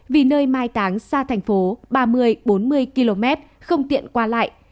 vì nơi mai táng xa thành phố ba mươi bốn mươi km không tiện qua lại